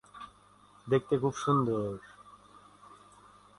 দেখতে খুব সুন্দর।